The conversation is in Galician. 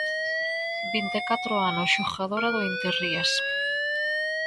Vinte e catro anos, xogadora do Interrías.